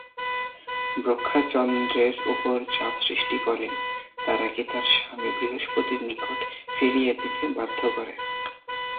ব্রহ্মা চন্দ্রের উপর চাপ সৃষ্টি করেন তারাকে তাঁর স্বামী বৃহস্পতির নিকট ফিরিয়ে দিতে বাধ্য করেন।